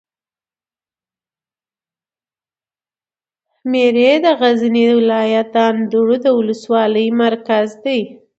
میری د غزني ولایت د اندړو د ولسوالي مرکز ده.